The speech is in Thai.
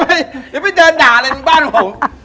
ไม่เอาเดี๋ยวไปเดี๋ยวไปเดินด่าอะไรมึงบ้านผม